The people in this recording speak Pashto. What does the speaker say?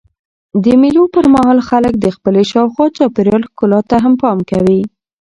د مېلو پر مهال خلک د خپلي شاوخوا چاپېریال ښکلا ته هم پام کوي.